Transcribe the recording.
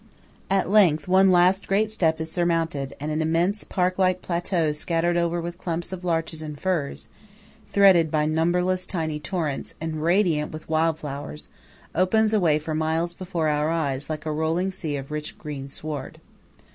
At length one last great step is surmounted, and an immense park like plateau scattered over with clumps of larches and firs, threaded by numberless tiny torrents, and radiant with wild flowers, opens away for miles before our eyes, like a rolling sea of rich green sward.